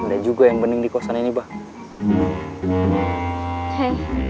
ada juga yang bening di kosan ini bang